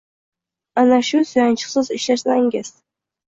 Ana shu suyanchiqsiz ishlasangiz.